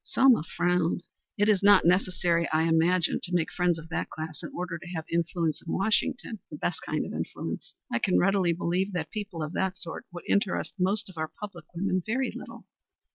Selma frowned. "It is not necessary, I imagine, to make friends of that class in order to have influence in Washington, the best kind of influence. I can readily believe that people of that sort would interest most of our public women very little."